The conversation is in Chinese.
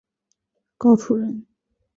高翥人。